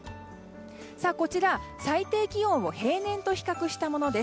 こちらは最低気温を平年と比較したものです。